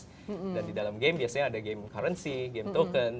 dan di dalam game biasanya ada game currency game token